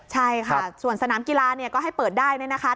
ใช่ค่ะส่วนสนามกีฬาก็ให้เปิดได้นะครับ